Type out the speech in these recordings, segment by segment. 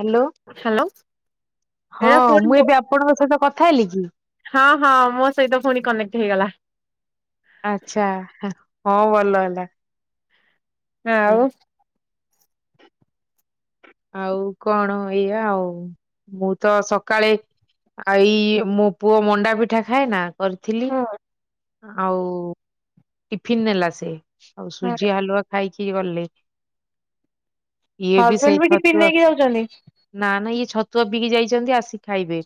Hello hello. ହଁ ଏଇଟା ପୁଣି ମୁଁ ମୋ ଏବେ ଆପଣଙ୍କ ସହିତ କଥା ହେଲି କି? ହଁ ହଁ ମୋ ସହିତ ପୁଣି କନେକ୍ଟ ହେଇଗଲା। ଆଚ୍ଛା ହଁ ଭଲ ହେଲା। ଆଉ ଆଉ କଣ ଏଇଆ ଆଉ। ମୁଁ ତ ସକାଳେ ଆଇ ମୋ ପୁଅ ମଣ୍ଡା ପିଠା ଖାଏ ନା କରିଥିଲି ହୁଁ ଆଉ ଟିଫିନ୍ ନେଲା ସେ। ଆଉ ହୁଁ ସୁଜି ହାଲୁଆ ଖାଇକି ଗଲେ ଇଏ ବି ସେ ସେଇ ହଜବେଣ୍ଡ ଟିଫିନ ଛତୁଆ ନେଇକି ଯାଉଛନ୍ତି? ନା ନା ଇଏ ଛ ଛତୁଆ ପିଇିକି ଯାଇଚନ୍ତି ଆସିକି ଖାଇବେ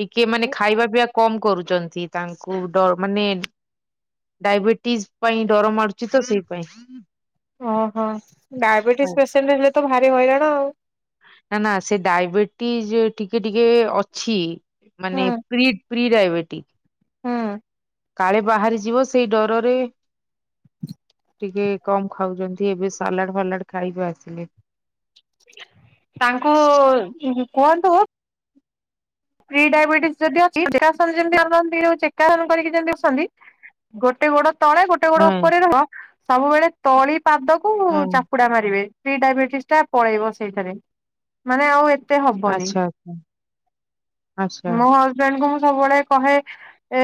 ଟିକେ ମାନେ ଖାଇବା ପିଇଆ କମ୍ କରୁଚନ୍ତି ତାଙ୍କୁ ଡ ମାନେ ଡାଇବେଟିଜ ପାଇଁ ଡର ମାଡୁଚି ତ ସେଇ ପାଇଁ। ଓହୋ ଡାଇବେଟିସ୍ ପେସେଣ୍ଟ ହେଲେ ତ ଭାରି ହଇରାଣ ଆଉ। ନା ନା ସେ ଡାଇବେଟିଜ ଟିକେ ଟିକେ ଅଛି। ହୁଁ ମାନେ ପ୍ରି ପ୍ରିଡାଏବେଟିିକ୍ ହୁଁ। କାଳେ ବାହାରି ଯିବ ସେଇ ଡରରେ ଟିକେ କମ୍ ଖାଉଚନ୍ତି। ଏବେ ସାଲାଡ ଫାଲାଡ ଖାଇବେ ଆସିଲେ। ତାଙ୍କୁ ଉଁ କୁହନ୍ତୁ ପ୍ରି ଡାଇବେଟିସ୍ ଯଦି ଚେକାସନ ଯେମିତି କରନ୍ତି ଚେକାସନ କରିକି ଯେମିତି ବସନ୍ତି ଗୋଟେ ଗୋଡ ତଳେ ଗୋଟେ ଗୋଡ ହଁ ଉପରେ ରହିବ ସବୁବେଳେ ତଳି ପାଦକୁ ହଁ ଚାପୁଡା ମାରିବେ। ପ୍ରି ଡାଇବେଟିସ୍ ଟା ପଳେଇବ ସେଇଥେରେ ମାନେ ଆଉ ଏ ଆଚ୍ଛା। ଆଚ୍ଛା ମୋ ହଜବେ ଣ୍ଡଙ୍କୁ ମୁଁ ସବୁବେଳେ କହେ ଏ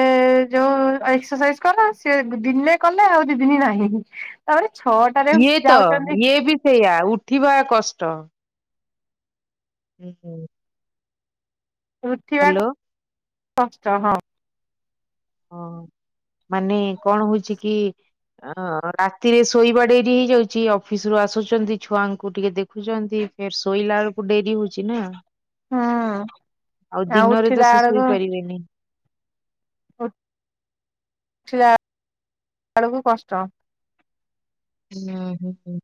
ଯୋଉ ଏକ୍ସରସାଇଜ କର। ସେ ଦିନେ କଲେ ଆଉ ଦି ଦିନି ନାହିଁ। ତା ପରେ ଇଏ ତ ଇଏ ବି ସେଇଆ ଉଠିବା କଷ୍ଟ। ଉଁ ହୁଁ। ଉଠିବା ହ୍ୟାଲୋ କଷ୍ଟ ହଁ। ହଁ ମାନେ କଣ ହଉଚି କି? ଅଁ ରାତିରେ ଶୋଇବା ଡେରି ହେଇଯାଉଚି ଅଫିସ ରୁ ଆସୁଚନ୍ତି ଛୁଆଙ୍କୁ ଟିକେ ଦେଖୁଚନ୍ତି। ଫେରେ ଶୋଇଲା ବେଳକୁ ଡେରି ହଉଚି ନା। ହୁଁ ଆଉ ଦିନରେ ତ ସେ ଶୋଇ ପାରିବେନି। ଉ ଉଠିଲା ଏଳକୁ କଷ୍ଟ। ଉଁ ହୁଁ ହୁଁ।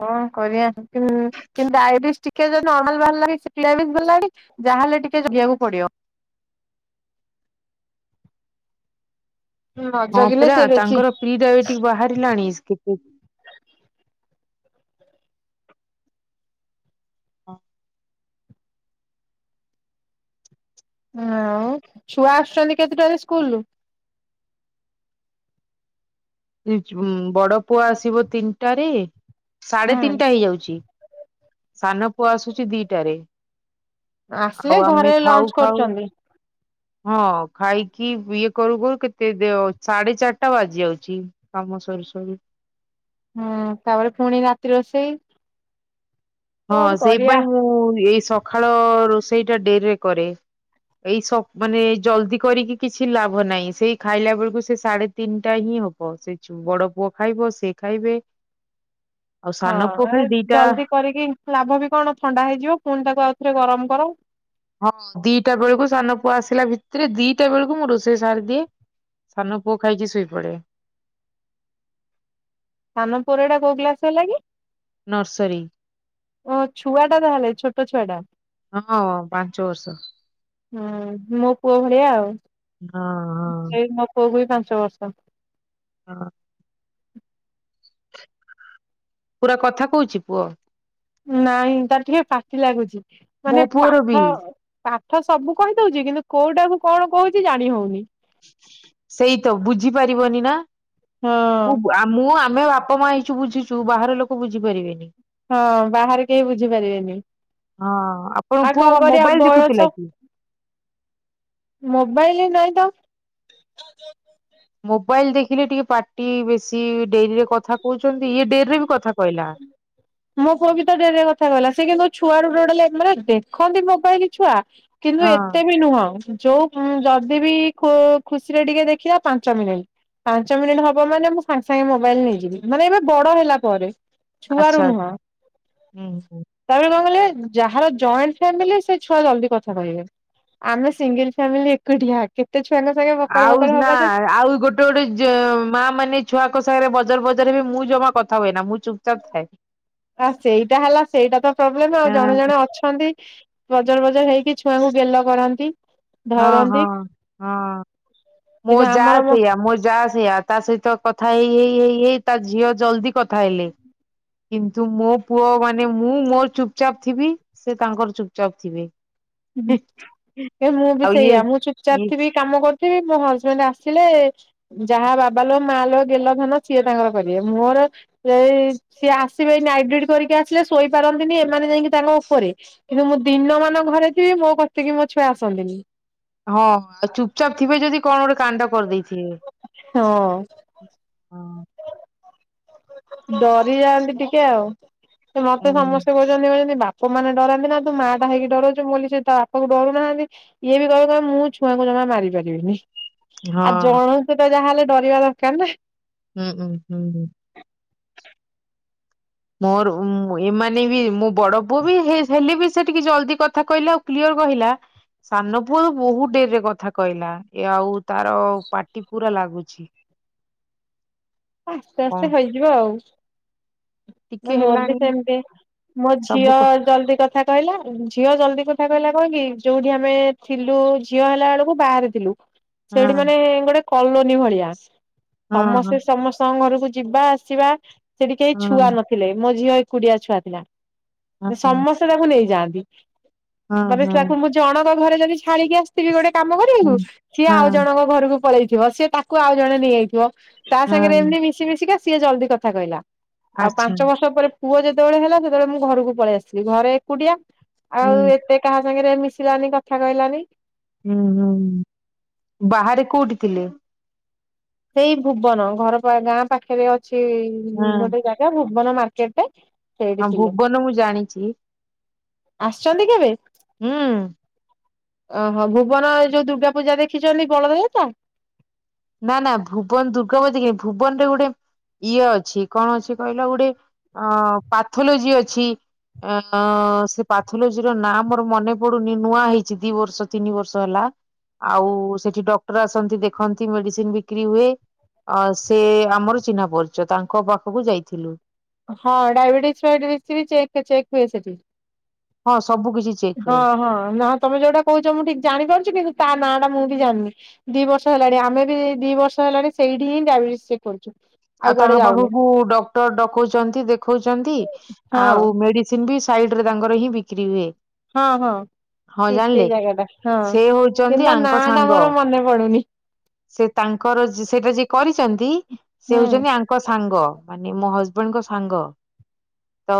କଣ କରିବା? ତାହେଲେ ଟିକେ ଜଗିବାକୁ ପଡିବ? [inaudible] ନ ହଁ ଜଗିଲେ ପରା ସେ ବେଶୀ ତାଙ୍କର ପ୍ରି ଡାଇବେଟିକ ବାହାରିଲାଣି [unintelligible] ହଁ। ଆଉ ଛୁଆ ଆସୁଛନ୍ତି କେତେଟାରେ ସ୍କୁଲୁ? ଦି ଯୁମ୍ ବଡ ପୁଅ ଆସିବ ତିନିଟାରେ ସାଢେ ହୁଁ ତିନିଟା ହେଇଯାଉଛି। ସାନ ପୁଅ ଆସୁଛି ଦିଟାରେ। ଆସିଲେ ଆଉ ଘରେ ଆମେ ଲଞ୍ଚ ଖାଉ ଖାଉ କରୁଛନ୍ତି ହଁ ଖାଇକି ଇଏ କରୁ କରୁ କେତେ ଦେୟ ସାଢେ ଚାରିଟା ବାଜି ଯାଉଛି ତାଙ୍କୁ କାମ ସରୁ ସରୁ ହୁଁ ତାପରେ ପୁଣି ରାତି ରୋଷେଇ? ହଁ କଣ କରିବା ସେଇପାଇ ମୁଁ ଏଇ ସକାଳ ରୋଷେଇ ଟା ଡେରିରେ କରେ। ଏଇ ସ ମାନେ ଜଲଦି କରିକି କିଛି ଲାଭ ନାହିଁ ସେଇ ଖାଇଲା ବେଳକୁ ସେ ସାଢେ ତିନିଟା ହିଁ ହିଁ ହବ ସେ ବଡ ପୁଅ ଖାଇବ ସେ ଖାଇବେ। ଆଉ ହଁ ସାନ ପୁଅ ଖାଲି ଆ ଦିଟା ଜଲଦି କରିକି ଲାଭ ବି କଣ ଥଣ୍ଡା ହେଇଯିବ ପୁଣି ତାକୁ ଆଉ ଥରେ ଗରମ କର। ହଁ ଦିଟା ବେଳକୁ ସାନ ପୁଅ ଆସିଲା ଭିତରେ ଦିଟା ବେଳକୁ ମୁଁ ରୋଷେଇ ସାରି ଦିଏ। ସାନ ପୁଅ ଖାଇକି ଶୋଇପଡେ‌। ସାନ ପୁଅର ଏଇଟା କୋଉ ଗ୍ଲାସ ହେଲା କି? ନର୍ସରୀ। ଓ ଛୁଆ ଟା ତାହେଲେ ଛୋଟ ଛୁଆ ଟା। ଅ ହଁ ପାଞ୍ଚ ବର୍ଷ। ହୁଁ ମୋ ପୁଅ ଭଳିଆ ଆଉ। ହଁ ହଁ। ଏଇ ମୋ ପୁଅକୁ ବି ପାଞ୍ଚ ବର୍ଷ। ହଁ। ପୁରା କଥା କହୁଛି ପୁଅ। ନାଇଁ ତାର ଟିକେ ପାଟି ଲାଗୁଛି ମୋ ମାନେ ପୁଅର ବି ପାଠ ପାଠ ସବୁ କହିଦଉଛି କିନ୍ତୁ କୋଉଟାକୁ କଣ କହୁଛି ଜାଣି ହଉନି। ସେଇ ତ ବୁଝିପାରିବନି ନା ମୁଁ ହଁ ବୁ‌ ମୁଁ ଆ ଆମେ ବାପା ମା ହେଇଛୁ ବୁଝୁଛୁ ବାହାର ଲୋକ ବୁଝିପାରିବେନି। ହଁ ବାହାରେ କେହି ବୁଝିପାରିବେନି। ହଁ ଆପଣଙ୍କ ଆଉ ପୁଅ କଣ କ କରିବା ମୋବାଇଲ ବୟସ ଦେଖୁଥିଲା କି? ମୋବାଇଲ ନାଈ ତ। ମୋବାଇଲ ଦେଖିଲେ ଟିକେ ପାର୍ଟି ବେଶୀ ଡେରିରେ କଥା କହୁଛନ୍ତି ଇଏ ଡେରିରେ ବି କଥା କହିଲା। ମୋ ପୁଅ ବି ତ ଡେରିରେ କଥା କହିଲା ସେ କିନ୍ତୁ ଛୁଆରୁ ଡଲେ ମାନେ ଦେଖନ୍ତି ମୋବାଇ ଛୁଆ କିନ୍ତୁ ହଁ ଏତେ ବି ନୁହଁ। ଯୋଉ ଉମ୍ ଯଦି ବିି ଖୁ ଖୁସିରେ ଟିକେ ଦେଖିବ ପାଞ୍ଚ ମିନିଟ୍। ପାଞ୍ଚ ମିନିଟ୍ ହବ ମାନେ ମୁଁ ସାଙ୍ଗେ ସାଙ୍ଗେ ମୋବାଇଲ ନେଇଯିବି ମାନେ ଏବେ ବଡ଼ ହେଲା ପରେ। ଛୁଆରୁ ଆଚ୍ଛା ନୁହଁ ଆଚ୍ଛା ହୁଁ ହୁଁ। ତାପରେ କଣ କହିଲେ? ଯାହାର ଜଏଣ୍ଟ ଫ୍ୟାମିଲି ସେ ଛୁଆ ଜଲଦି କଥା କହିବେ। ଆମେ ସିଙ୍ଗଲ ଫ୍ୟାମିଲି ଏକୁଟିଆ କେ ଆଉ ନା ଆଉ ଗୋଟେ ଗୋଟେ ଯୋ ମା ମାନେ ଛୁଆଙ୍କ ସାଙ୍ଗରେ ବ ବଜର ବଜର ହେବେ ମୁଁ ଜମା କଥା ହୁଏ ନା ମୁଁ ଚୁପଚାପ ଥାଏ। ଆଉ ସେଇଟା ହେଲା ସେଇଟା ତ ପ୍ରୋବ୍ଲେମ ଆଉ ଜଣେ ଜଣେ ଅଛନ୍ତି ବଜର ବଜର ହେଇକି ଛୁଆଙ୍କୁ ଗେଲ କରନ୍ତି। ହଁ ହଁ ଧରନ୍ତି ହଁ। ମୋ କିନ୍ତୁ ଯା ଆମର ସେଇୟା ମୋ ଯା ସେୟା ତା ସହିତ କଥା ହେଇ ହେଇ ହେଇ ହେଇ ତା ଝିଅ ଜଲଦି କଥା ହେଲେ। କିନ୍ତୁ ମୋ ପୁଅ ମାନେ ମୁଁ ମୋର ଚୁପଚାପ ଥିବି ସେ ତାଙ୍କର ଚୁପଚାପ ଥିବେ। ହୁଁ ଏ ମୁଁ ବି ଆଉ ଇଏ ସେଇଆ ମୁଁ ଚୁପ ଚାପ ଇଏ ଥିବି କାମ କରୁ ଥିବି‌ ମୋ ହଜବେଣ୍ଡ ଆସିଲେ ଯାହା ବାବା ଲୋ ମା ଲୋ ଗେଲ ଧନ ସିଏ ତାଙ୍କର କରିବେ ମୋର। ଏଇ ସିଏ ଆସିବେ ନାଇଟ ଡିଉଟି‌ କରିକି ଆସିଲେ ଶୋଇପାରନ୍ତିନି ଏମାନେ ଯାଇକି ତାଙ୍କ ଉପରେ। କିନ୍ତୁ ମୁଁ ଦିନ ମାନ ଘରେ ଥିବି ମୋ କତିକି ମୋ ଛୁଆ ଆସନ୍ତିନି। ହଁ ଚୁପଚାପ୍ ଥିବେ ଯଦି କଣ ଗୋଟେ କାଣ୍ଡ କରିଦେଇଥିବେ। ହଁ। ହଁ ଡରି ଯାଆନ୍ତି ଟିକେ ଆଉ ଏ ମତେ ହୁଁ ସମସ୍ତେ କହୁଛନ୍ତି କହୁଛନ୍ତି ବା ପ ମାନେ ଡରାନ୍ତି ନା ତୁ ମା ଟା ହେଇକି ଡରଉଛୁ ମୁଁ କଇଲି ସେ ତା ବାପାକୁ ଡରୁ ନାହାନ୍ତି ଇଏ ବି କିହିବେ କହିବେ ମୁଁ ଛୁଆଙ୍କୁ ଜ ମା‌ ମାରିପାରିବିନି ହଁ ଆଉ ଜଣକୁ ତ ଯାହା ହେଲେ ଡରିବା ଦରକାର ନା। ହୁଁ ହୁଁ। ମୋର ଉମ୍ ଏମାନେ ବି ମୋ ବଡ ପୁଅବି ହେ ହେଲେ ବି ସେ ଟିକେ ଜଲଦି କଥା କହିଲା ଆଉ କ୍ଲି ଅର କହିଲା ସାନପୁଅ ବହୁତ ଡେରିରେ କଥା କହିଲା ଏ ଆଉ ତାର ପାଟି ପୁରା ଲାଗୁଛି। ଆସ୍ତେ କଣ ଆସ୍ତେ ହେଇଯିବ ଆଉ। ଟିକେ ମୋର ବି ହେଲାଣି ସେମିତି ମୋ ସବୁ ଝିଅ କ ଜଲଦି କଥା କହିଲା ଝିଅ ଜଲଦି କଥା କହିଲା କଣ କି ଯୋଉଠି ଆମେ ଥିଲୁ ଝିଅ ହେଲା ବେଳକୁ ବାହାରେ ଥିଲୁ। ସେଇଠି ହଁ ମାନେ ଗୋଟେ କଲୋନୀ ଭଳିଆ। ହଁ ହଁ। ତାଙ୍କ ଘରକୁ ଯିବା ଆସିବା ସେଠି କେହି ହଁ ଛୁଆ ନଥିଲେ ମୋ ଝିଅ ଏକୁଟିଆ ଛୁଆ ଥିଲା। ହଁ ହଁ ସମସ୍ତେ ତାକୁ ନେଇଯାଆନ୍ତି ମାନେ ହଁ ହଁ ତାକୁ ମୁଁ ଜଣ ଙ୍କ ଘରେ ଯଦି ଛାଡ଼ିକି ଆସିଥିବି ଗୋଟେ କାମ କରିବାକୁ ହଁ ସିଏ ହଁ ଆଉ ଜଣଙ୍କ ଘରକୁ। ପଳେଇଥିବ ସେ ତାକୁ ଆଉ ଜଣେ ନେଇଯାଇଥିବ। ତା ସାଙ୍ଗରେ ହଁ ଏମତି ମିଶି ମିଶିକା ସିଏ ଜଲ୍ଦି କଥା କହିଲା ଆଉ ଆଚ୍ଛା ପାଞ୍ଚ ବର୍ଷ ପରେ। ପୁଅ ଯେତେବେଳେ ହେଲା ସେତେବେଳେ ମୁଁ ଘରକୁ ପଳେଇ ଆସିଥୀଲି ଘରେ ଏକୁଟିଆ ହୁଁ ଆଉ ଏତେ କାହା। ସାଙ୍ଗରେ ମିଶିଲାନି କଥା କହିଲାନି। ହୁଁ ହୁଁ ବାହାରେ କୋଉଠି ଥିଲେ। ସେଇ ଭୁବନ ଘର ପାଖ ଗାଁ ପାଖରେ ଅଛି ହଁ ଗୋଟେ ଜାଗା ଭୁବନ ମାର୍କେଟ ଟେ। ହଁ ଭୁବନ ମୁଁ ଜାଣିଚି। ଆସିଛନ୍ତି କେବେ। ହୁଁ ଓହୋ ଭୁବନ ଏ ଯୋଉ ଦୁର୍ଗା ପୂଜା ଦେଖିଛନ୍ତି ବଳଦ ଯାତ୍ରା। ନା ନା ଭୁବନ ଦୁର୍ଗା ପୁଜା ଦେଖିନି ଭୁବନ ରେ ଗୋଟେ। ଇଏ ଅଛି କଣ ଅଛି କହିଲ ଗୋଟେ ଅଁ ପାଥୋଲୋଜି ଅଛି। ଏ ନ ସେ ପାଥୋଲୋଜିର ନାଁ ମୋର ମନେ ପଡ଼ୁନି ନୂଆ ହେଇଛି ଦି ବର୍ଷ ତିନି ବର୍ଷ ହେଲା। ଆଉ ସେଠି ଡକ୍ଟର ଆସନ୍ତି ଦେଖନ୍ତି ମେଡ଼ିସିନ୍ ବିକ୍ରି ହୁଏ। ଅ ସେ ଆମର ଚିହ୍ନା ପରିଚ ତାଙ୍କ ପାଖକୁ ଯାଇଥିଲୁ। ହଁ ଡାଏବେଟିସି ଫାଏବେଟିସି ବି ଚେକ୍ ଚେକ୍ ହୁଏ ସେଟି। ହଁ ସବୁ କିଛି ଚେକ୍ ହଁ ହୁଏ। ହଁ ନାହ ତମେ ଯୋଉଟା କହୁଚ ମୁଁ ଠିକ୍ ଜାଣିପାରୁଚି କିନ୍ତୁ ତା ନାଁ ଟା। ମୁଁ ବି ଜାଣିନି ଦି ବର୍ଷ ହେଲାଣି ଆମେ ଏଇ ବି ଦି ବର୍ଷ ହେଲାଣି ସେଇଠି ହିଁ ଡାଇବେଟିସ୍ ଚେକ୍ କରୁଚୁ। ଆଉ ତାଙ୍କ ପାଖକୁ ଡକ୍ଟର ଡକଉଛନ୍ତି ଦେଖଉଛନ୍ତି ହଁ ଆଉ ମେଡ଼ିସିନ୍। ବି ସାଇଡ଼ରେ ତାଙ୍କର ହିଁ ବିକ୍ରି ହୁଏ। ହଁ ହଁ। ହଁ ଠିକ୍ ସେ ଜାଣିଲେ ଜାଗା ଟା ହଁ ସେ ହଉଛନ୍ତି କିନ୍ତୁ ଆଙ୍କ ନାଟା ସାଙ୍ଗ। ମୋର ମନେ ପଡ଼ୁନି। ସେ ତାଙ୍କର ସେ ସେଇଟା ଯିଏ କରିଛନ୍ତି ସେ ହୁଁ ହଉଛନ୍ତି ଆଙ୍କ ସାଙ୍ଗ। ମାନେ ମୋ ହଜବେଣ୍ଡଙ୍କ ସାଙ୍ଗ। ତ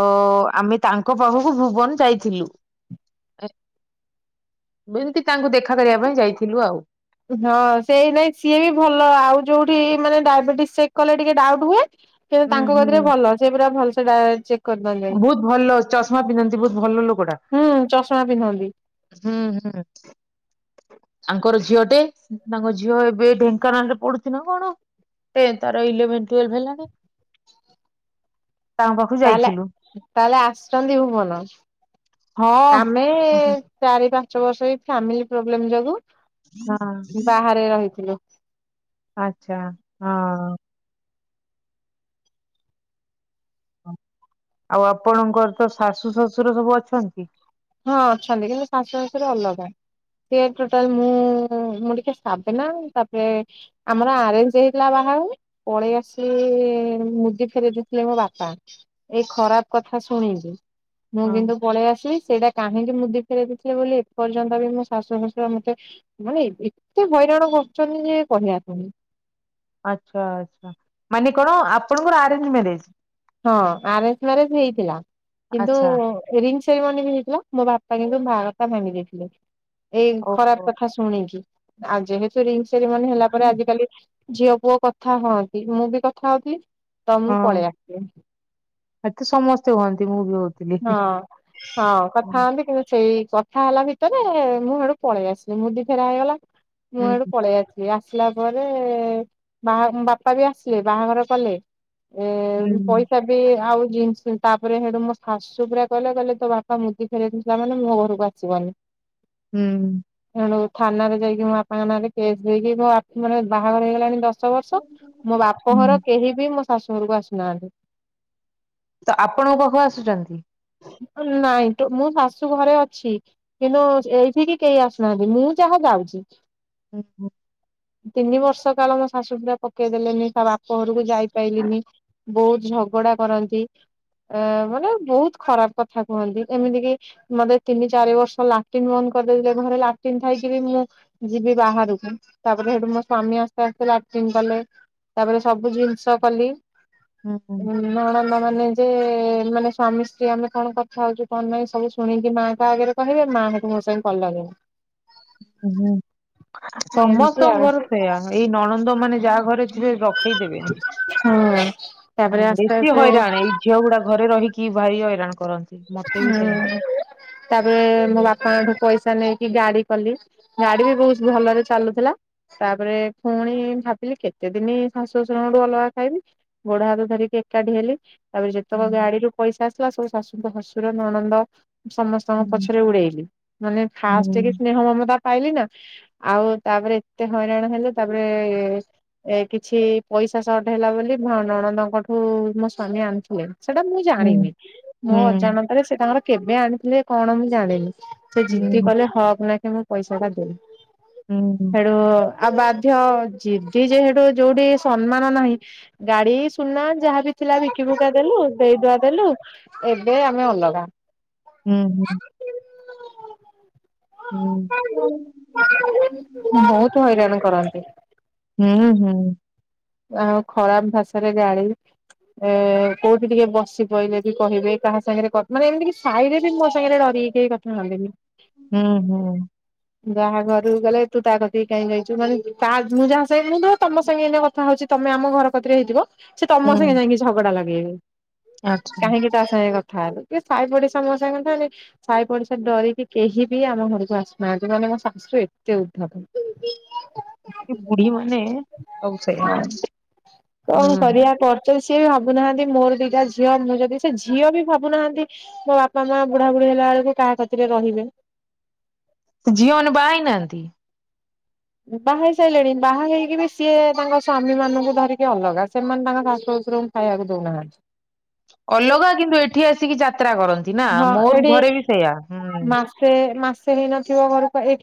ଆମେ ତାଙ୍କ ପାଖକୁ ଭୁବନ ଯାଇଥିଲୁ। ଏମିତି ତାଙ୍କୁ ଦେଖା କରିବା ପାଇଁ ଯାଇଥିଲୁ ଆଉ। ହଁ ସେଇ ନାଇଁ ସିଏ ବି ଭଲ ଆଉ ଯୋଉଠି ମାନେ ଡାଇବେଟିସ ଚେକ୍ କଲେ ଟିକେ ଡାଉଟ୍ ହୁଏ। କିନ୍ତୁ ହୁଁ ତାଙ୍କ କତିରେ ହୁଁ। ଭଲ ସେ ପୁରା ଭଲ ସେ ଡା ଚେକ୍ କରିଦିଅନ୍ତି। ବହୁତ ଭଲ ଚଷମା ପିନ୍ଧନ୍ତି ବହୁତ ଭଲ ଲୋକଟା। ହୁଁ ଚଷମା ପିନ୍ଧନ୍ତି। ହୁଁ ହୁଁ। ଆଙ୍କର ଝିଅ ଟେ ତାଙ୍କ ଝିଅ ଏବେ ଢେଙ୍କାନାଳ ରେ ପଡ଼ୁଚି ନା କଣ। ଏଁ ଇଲେଭେନ ଟୁଏଲ୍ଭ ହେଲାଣି ତାଙ୍କ ପାଖକୁ ତାହେଲେ ଯାଇଥିଲୁ। ତାହେଲେ ଆସିଛନ୍ତି ଭୁବନ ହଁ। ଆମେ ହଁ ଚାରି ପାଞ୍ଚ ପାଞ୍ଚ ବର୍ଷ ହେଇ ଫ୍ୟାମିଲି ପ୍ରୋବ୍ଲେମ ଯୋଗୁ ବାହାରେ ରହିଥିଲୁ। ଆଛା ହଁ। ଆଉ ଆପଣଙ୍କର ତ ଶାଶୁ ଶଶୁର ସବୁ ଅଛନ୍ତି। ହଁ ଅଛନ୍ତି କିନ୍ତୁ ଶାଶୁ ଶଶୁର ଅଲଗା। ସେ ଟୋଟାଲ ମୁଁ ମୁଁ ଟିକେ ସାବେନା ତାପରେ ଆମର ଆରେଞ୍ଜ ହେଇଥିଲା ବା ଆଉ ପଳେଇ ଆସି ମୁଦି ଫେରେଇ ଦେଇଥିଲେ ମୋ ବାପା ଏଇ ଖରାପ କଥା ଶୁଣିବି ମୁଁ ହଁ। କିନ୍ତୁ ପଳେଇ ଆସିବି ସେଇଟା କାହିଁକି ମୁଁଦି ଫେରେଇ ଦେଇ ଥିଲେ ବୋଲି ଏପର୍ଯ୍ୟନ୍ତ ବି ମୋ ଶାଶୁ ଶଶୁର ମତେ ମାନେ ଏତେ ହଇରାଣ କରିଚନ୍ତି ଯେ କହିବାକୁ ନାଇଁ। ଆଚ୍ଛା ଆଚ୍ଛା ମାନେ କଣ ଆପଣଙ୍କର ଆରେଞ୍ଜ ମ୍ୟାରେଜ। ହଁ ଆରେଜ ମାରେଜ ହେଇଥିଲା କିନ୍ତୁ ଆଚ୍ଛା ରିଙ୍ଗସ ସେଇ ମାନେ ବି ହେଇଥିଲା ମୋ ବାପା କିନ୍ତୁ ବାହାଘରଟା ଭାଙ୍ଗି ଦେଇଥିଲେ ଏଇ ଖରାପ ଓହୋ କଥା ଶୁଣିକି। ଆ ଯେହତୁ ରିଙ୍ଗ ସେରିମନି ହେଲା ପରେ ଆଜିିକାଲି ଝିଅ ପୁଅ କଥା ହଅନ୍ତି ମୁଁ ବି କଥା ହଉଥିଲି ତ ମୁଁ ପଳେଆ ଏଠିତ ସମସ୍ତେ ହୁଅନ୍ତି ମୁଁ ବି ହଉ ହଁ ହଁ କଥା ହନ୍ତି କିନ୍ତୁ ଛେଇ କଥା ହେଲା ଭିତରେ ମୁଁ ହେଟୁ ପଳେଇ ଆସିଲି ମୁଦି ଫେରା ହେଇଗଲା ମୁଁ ହେଟୁ ପଳେଇ ଆସି ଏ ଆସିଲା ପରେ ବାହା ବାପା ବି ଆସିଲେ ବାହାଘର କଲେ। ହୁଁ ଏଁ ପଇସା ବି ଆଉ ଜିନ୍‌ସ ତାପରେ ହେଡୁ ମ ସାସୁ ପୁରା କଇଲେ କଇଲେ ତୋ ବାପା ମୁଦି ଫେରାଇଥିଲା ମାନେ ମୋ ଘରକୁ ଆସିବନି। ହୁଁ। ସେଠୁ ଥାନାରେ ଯାଇକି ମୋ ବାପାଙ୍କ ନାଁ ରେ କେସ୍ ଦେଇକି ମୋ ଆ ମାନେ ବାହାଘର ହେଇଗଲାଣି ଦଶ ପାଞ୍ଚ ବର୍ଷ ମୋ ବାପ ଘର ହୁଁ କେହି ବି ମୋ ଶାଶୁ ଘରକୁ ଆସୁନାହାନ୍ତି। ତ ଆପଣଙ୍କ ପାଖକୁ ଆସୁଚନ୍ତି? ନାଇଁ ଟୁ ମୁଁ ଶାଶୁ ଘରେ ଅଛି କିନ୍ତୁ ଏଇଠିକି କେହି ଆସୁନାହାନ୍ତି ମୁଁ ଯାହା ହଁ ଯାଉଚି। ହୁଁ ହୁଁ। ତିନି ବର୍ଷ କାଳ ମୋ ଶାଶୁ ପୁରା ପକେଇଦେଲେନି ତା ବାପ ଘରକୁ ଯାଇ ଯାଇପାଇଲିନି। ବହୁତ୍‌ ଝଗଡା କରନ୍ତିଏଁ ମାନେ ବହୁତ୍‌ ଖରାପ୍ କଥା କୁହନ୍ତି ଏମିତି କିି ମତେ ତିନି ଚାରି ବର୍ଷ ଲାଟିନ୍ ବନ୍ଦ କରିଦେଇଥିଲେ ଘରେ ଲାଟିନ୍ ଥାଇକି ଇକି ମୁଁ ଯିବି ମୁଁ ଯିବି ବାହାରୁକୁ ତାପରେ ସେଠୁ ମୋ ସ୍ଵାମୀ ଆସ୍ତେ ଆସ୍ତେ ଲାଟିନ୍ କଲେ। ତାପରେ ସବୁ ଜିନ୍‌ଷ କଲି। ହୁଁ ହୁଁ ନଣନ୍ଦ ମାନେ ଯେ ମାନେ ସ୍ଵାମୀ ସି କି ଆମେ କଣ କଥା ହଉଛୁ କଣ ନାଇଁ ସବୁ ଶୁଣିକି ମାଆଙ୍କ ଆଗରେ କହିବେ ମା ହେଟୁ ମୋ ସାଙ୍ଗେ କଳି ଲଗେଇବେ। ହୁଁ ଏମିତି ସମସ୍ତଙ୍କ ଆଉ ଘର ସେଇୟା ଏଇ ନଳନ୍ଦ ମାନେ ଯା ଘରେ ଥିବେ ରଖେଇଦେବେନି ହୁଁ। ତାପରେ ଆସ୍ତେ ବେଶୀ ଆସ୍ତେ ହଇରାଣ ଏଇ ଝିଅଗୁଡା ଘରେ ରହି କି ଭାଇ ହଇରାଣ କରନ୍ତି। ମତେ ବି ସେଇଆ। ହୁଁ ତାପରେ ହୁଁ ମୋ ବାପାଙ୍କଠୁ ପଇସା ନେଇକି ଗାଡି କଲି ଗାଡି ବି ବହୁତ୍‌ ଭଲରେ ଚାଲୁଥିଲା ତାପରେ ଫୁଣି ଭାବିଲି କେତେ ଦିନୀ ଶାଶୁ ଶଶୁରଙ୍କ ଠୁ ଅଲଗା ଖାଇବି ଗୋଡ ହାତ ଧରିକି ଏକାଠି ହେଲି। ତାପରେ ଯେତେକ ହୁଁ ଗାଡିରୁ ପଇସା ଆସିଲା ସବୁ ଶାଶୁଙ୍କ ଶଶୁର ନଣନ୍ଦ ସମସ୍ତଙ୍କ ହୁଁ ପଛରେ ଉଡେଇଲି ମାନେ ହୁଁ ଫାଷ୍ଟେକି ହୁଁ ସ୍ନେହ ମମତା ପାଇଲି ନା ଆଉ ତାପରେ ଏତେ ହଇରାଣ ହେଲେ ତାପ୍ରେ ଏ କିଛି ପଇସା ସଟ୍ ହେଲା ବୋଲି ଭ ନଣନ୍ଦଙ୍କଠୁ ମୋ ସ୍ଵାମୀ ଆଣିଥିଲେ। ସେଟା ମୁଁ ଜାଣିନି ମୋ ହୁଁ ଅଜାଣତରେ ସେ ତାଙ୍କର କେବେ ଆଣିଥିଲେ କଣ ମୁଁ ଜାଣିନି। ସେ ଜିଦି ହୁଁ। କଲେ ହକ୍ ନା କି ମୋ ପଇସା ଟା ଦେ ହୁଁ ସେଡୁ ଆଉ ବାଧ୍ୟ ଯିଦି ଯେହେଠୁ ଯୋଉଠି ସମ୍ମାନ ନାହିଁ ଗାଡି ସୁନା ଯାହାବି ଥିଲା ବିକି ବୁକା ଦେଲୁ ଦେଇଦୁଆ ଦେଲୁ ଏବେ ଆମେ ଅଲଗା। ବହୁତ୍‌ ହଇରାଣ କରନ୍ତି। ହୁଁ ହୁଁଉଁ। ଆଉ ଖରାପ୍ ଭାଷାରେ ଗାଳି। ଏଁ କୋଉଠି ଟିକେ ବସିପଇଲେ ବି କହିବେ କାହା ସାଙ୍ଗରେ କଥା ମାନେ ଏମିତି ସାହିରେ ବି ମୋ ସାଙ୍ଗରେ ରହି କି କେଇ କଥା ହନ୍ତିନି। ହୁଁ ହୁଁ। ଯାହା ଘରକୁ ଗଲେ ତୁ ତା କତିକି କାଇଁକି ଯାଇଚୁ ମାନେ ତା ମୁଁ ଯାହା ସଙ୍ଗେ ଧର ତମ ସଙ୍ଗେ ଏଇନା କଥା ହଉଚି ତମେ ଆମ ଘର କତିରେ ହେଇଥିବ ସେ ତମ ସାଙ୍ଗେ ଯାଇକି ଝଗଡା ଲଗେଇବେ। କାହିଁକି କଥା ହେଇଗଲ? ଥା ହେଲୁ ଇଏ ସାହି ପଡିଶା ମୋ ସାଙ୍ଗେ କଥା ହେଲେ ସାଇ ପଡିଶା ଡରିକି କେହି ବି ଆମ ଘରକୁ ଆସୁନାହାନ୍ତି ମାନେ ଆମ ଶାଶୁ ଏତେ ଉଦ୍ଧତ। ଏ ବୁଢ଼ୀମାନେ ସବୁ ସେଇଆ। ହଁ କଣ ହୁଁ, କରିବା ପରଚଉ ସିଏ ବି ଭାବୁନାହାନ୍ତି ମୋର ଦିଟା ଝିଅ ମୁଁ ଯଦି ସେ ଝିଅ ବି ଭାବୁନାହାନ୍ତି ମୋ ବାପା ମା ବୁଢାବୁଢ଼ୀ ହେଲା ବକୁ କାହା କତିରେ ରହିବେ? ଝିଅ ମାନେ ବାହା ହେଇନାହାନ୍ତି? ଉଁ ବାହା ହେଇ ସାରିଲେଣି ବାହା ହେଇକି ବି ସିଏ ତାଙ୍କ ସ୍ଵାମୀ ମାନଙ୍କୁ ଧରିକି ଅଲଗା ସେମାନେ ତାଙ୍କ ଶାଶୁ ଶଶୁର ଙ୍କୁ ଖାଇବାକୁ ଦେଉନାହାନ୍ତି। ଅଲଗା କିନ୍ତୁ ଏଠି ଆସିକି ଯା ତ୍ରା କରନ୍ତି ନା, ହଁ ମୋର ଏଠି ଘରେ ବି ସେଇୟଆ ହୁଁ। କେହି ନ ଥିବା ଘରକୁ ଏକ